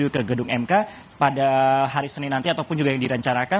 menuju ke gedung mk pada hari senin nanti ataupun juga yang direncanakan